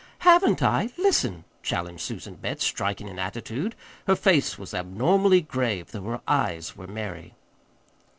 "Haven't I? Listen," challenged Susan Betts, striking an attitude. Her face was abnormally grave, though her eyes were merry.